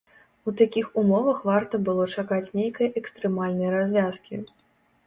У такіх умовах варта было чакаць нейкай экстрэмальнай развязкі.